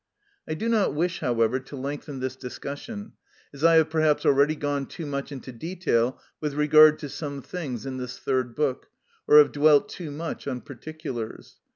I do not wish, however, to lengthen this discussion, as I have perhaps already gone too much into detail with regard to some things in this Third Book, or have dwelt too much on particulars.